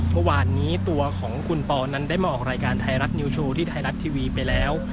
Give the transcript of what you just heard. เมื่อวานนี้ตัวของคุณปอนั้นได้มาออกรายการไทยรัฐนิวโชว์ที่ไทยรัฐทีวีไปแล้ว